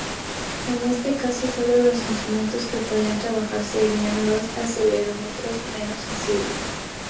En este caso, sólo los instrumentos que podrían trabajar serían los acelerómetros menos sensibles.